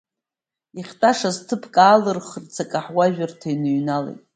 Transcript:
Иахьтәашаз ҭыԥк аалырхырц, акаҳуажәырҭа иныҩналеит.